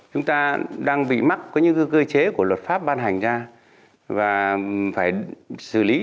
chúng ta đang bị mắc có những cơ chế của luật pháp ban hành ra và phải xử lý